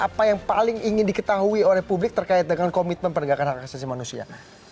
apa yang paling ingin diketahui oleh publik terkait dengan komitmen penegakan hak asasi manusia